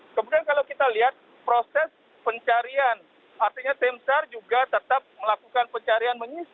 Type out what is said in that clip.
yang penting kalau kita polisi semua beruntung pengajar jika mereka ada kepitasan itu